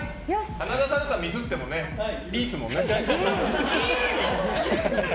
花澤さんがミスってもいいですもんね。